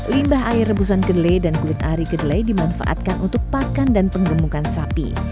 limbah air rebusan kedelai dan kulit ari kedelai dimanfaatkan untuk pakan dan penggemukan sapi